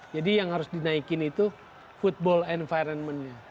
jadi yang harus dinaikin itu football environment nya